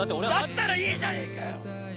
だったらいいじゃねえかよ！